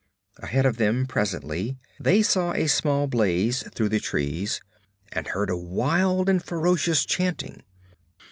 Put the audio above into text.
Ahead of them presently they saw a small blaze through the trees, and heard a wild and ferocious chanting.